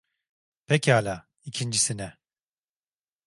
Pekala, ikincisine?